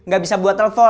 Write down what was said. gak bisa buat telepon